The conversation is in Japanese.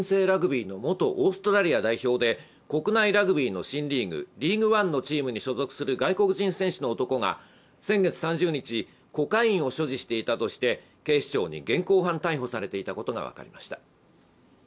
ラグビーの元オーストラリア代表で国内ラグビーの新リーグ、ＬＥＡＧＵＥＯＮＥのチームに所属する外国人選手の男が、先月３０日、コカインを所持していたとして警視庁に現行犯逮捕されていたことが分かりました。